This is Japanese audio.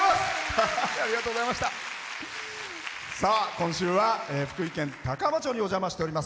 今週は福井県高浜町にお邪魔しております。